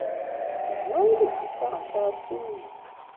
Anwa i la d-yettaɣen tiɣawsiwin-a?